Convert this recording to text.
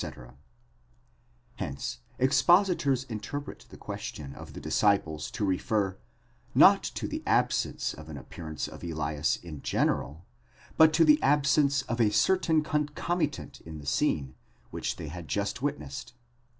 6 Hence, expositors interpret the question of the disciples to refer, not to the absence of an appearance of Elias in general, but to the absence of a certain concomitant in the scene which they had just witnessed.